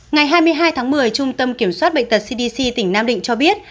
ngày hai mươi hai tháng một mươi trung tâm kiểm soát bệnh tật cdc tỉnh nam định cho biết